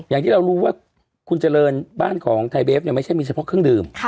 อย่างที่เรารู้ว่าคุณเจริญบ้านของไทยเบฟเนี่ยไม่ใช่มีเฉพาะเครื่องดื่ม